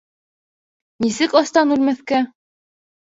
Нисек астан үлмәҫкә?